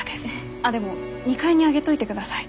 あっでも２階に上げといてください。